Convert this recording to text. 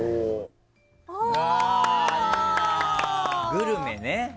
グルメね。